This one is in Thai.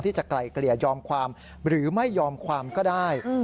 ไกลเกลี่ยยอมความหรือไม่ยอมความก็ได้